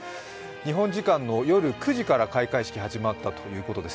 日本時間の夜９時から開会式始まったということです。